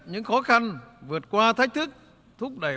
những khó khăn vượt qua thách thức thúc đẩy